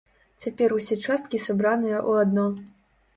Цяпер усе часткі сабраныя ў адно.